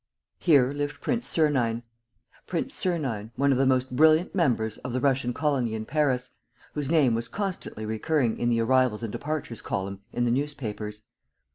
Here lived Prince Sernine: Prince Sernine, one of the most brilliant members of the Russian colony in Paris, whose name was constantly recurring in the "Arrivals and Departures" column in the newspapers.